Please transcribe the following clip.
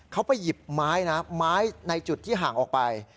เขาไปหยิบไม้นะไม้ในจุดที่ห่างออกไป